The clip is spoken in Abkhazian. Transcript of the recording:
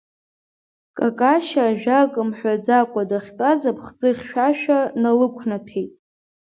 Какашьа ажәак мҳәаӡакәа дахьтәаз аԥхӡы хьшәашәа налықәнаҭәеит.